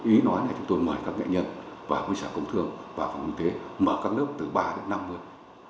ý nói là chúng tôi mời các nghệ nhân và quân sản công thương và phòng kinh tế mở các lớp từ ba đến năm mươi